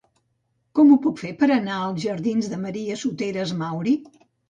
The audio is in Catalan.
Com ho puc fer per anar a la jardins de Maria Soteras Mauri?